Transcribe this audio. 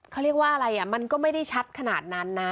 เขาเรียกว่าอะไรมันก็ไม่ได้ชัดขนาดนั้นนะ